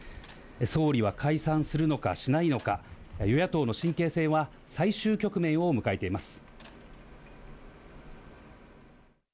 総理は解散するのか、しないのか、与野党の神経戦は最終局面を迎えています。